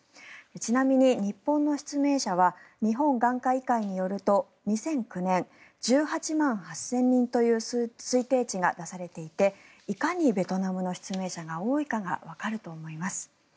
ちなみに日本の失明者は日本眼科医会によると２００９年１８万８０００人という推定値が出されていていかにベトナムの失明者が多いかがわかると思います。